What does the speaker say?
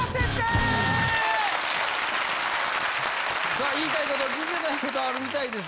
さあ言いたいこと聞きたいことあるみたいです。